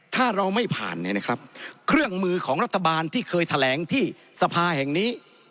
ถ้าเราไม่ผ่านเนี่ยนะครับเครื่องมือของรัฐบาลที่เคยแถลงที่สภาแห่งนี้